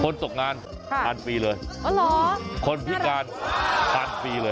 ตกงานทานฟรีเลยอ๋อเหรอคนพิการทานฟรีเลย